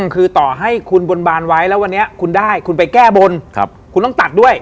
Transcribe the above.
คือต่อให้คุณบนบานไว้แล้ววันนี้คุณได้คุณไปแก้บนคุณต้องตัดด้วย